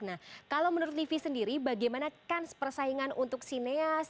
nah kalau menurut livi sendiri bagaimana kans persaingan untuk sineas